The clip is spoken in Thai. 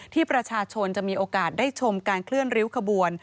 ที่ประชาชนจะมีโอกาสได้ชมการเคลื่อนริ้วขบวน